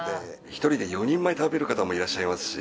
１人で４人前食べる方もいらっしゃいますし。